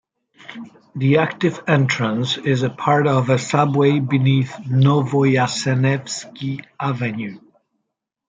The active entrance is a part of a subway beneath Novoyasenevsky Avenue.